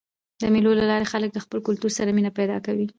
د مېلو له لاري خلک له خپل کلتور سره مینه پیدا کوي.